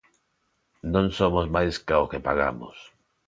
Non somos mais cá o que pagamos.